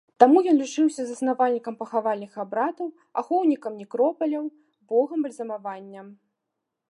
Таму ён лічыўся заснавальнікам пахавальных абрадаў, ахоўнікам некропаляў, богам бальзамавання.